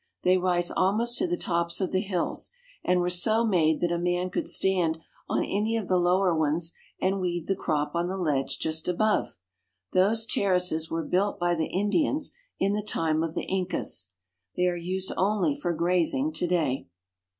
They rise almost to the tops of the hills, and were so made that a man could stand on any of the lower ones and weed the crop on the ledge just above. Those terraces were built by the Indians in the time of the Incas. They are used only for grazing to day.